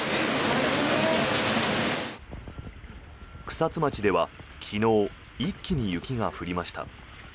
草津町では昨日一気に雪が降りました。